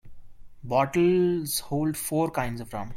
Bottles hold four kinds of rum.